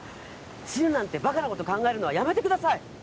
死ぬなんてバカなこと考えるのはやめてください！